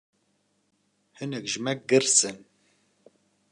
Hinek ji me girs in.